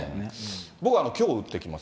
僕はきょう打ってきます。